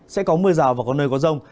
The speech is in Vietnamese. sẽ có mưa rào và có nơi có rông